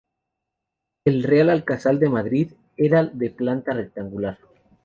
El Real Alcázar de Madrid era de planta rectangular.